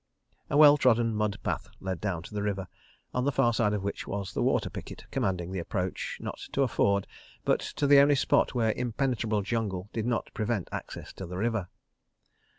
A well trodden mud path led down to the river, on the far side of which was the water picket commanding the approach, not to a ford, but to the only spot where impenetrable jungle did not prevent access to the river.